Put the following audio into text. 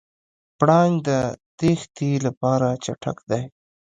پړانګ د تېښتې لپاره چټک دی.